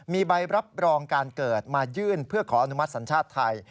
มีใบรับรองการเกิดมายื่นเพื่อขออนุมัติสัญชาติไทย